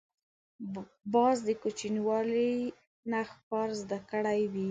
باز د کوچنیوالي نه ښکار زده کړی وي